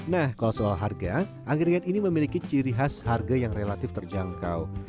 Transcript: nah kalau soal harga angkringan ini memiliki ciri khas harga yang relatif terjangkau